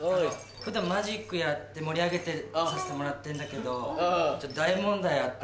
普段マジックやって盛り上げさせてもらってんだけどちょっと大問題あって。